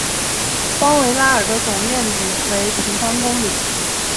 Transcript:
邦维拉尔的总面积为平方公里。